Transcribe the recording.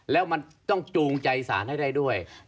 แล้วมันต้องจูงใจสารให้ได้ด้วย